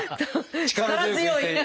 力強い！